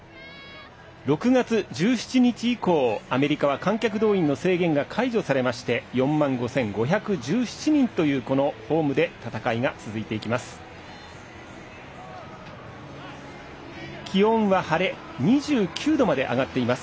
６月１７日以降アメリカは観客動員の制限が解除されまして４万５５１７人というホームで戦いが続いていきます。